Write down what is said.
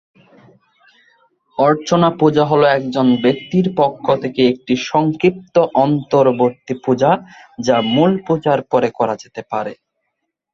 অর্চনা পূজা হল একজন ব্যক্তির পক্ষ থেকে একটি সংক্ষিপ্ত অন্তর্বর্তী পূজা যা মূল পূজার পরে করা যেতে পারে।